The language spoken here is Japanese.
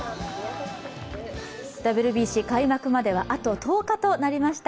ＷＢＣ開幕までは、あと１０日となりました。